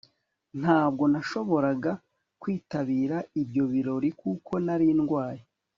Ntabwo nashoboraga kwitabira ibyo birori kuko nari ndwaye